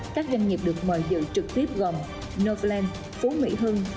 các doanh nghiệp được mời dự trực tiếp gồm norpland phú mỹ hưng